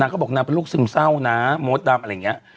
น้างเขาบอกน้านเป็นลูกซึมเศร้านะโม้ตดำอะไรเงี้ย